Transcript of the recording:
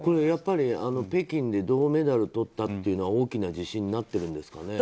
やっぱり、北京で銅メダルをとったというのは大きな自信になっているんですかね。